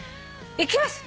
行きます。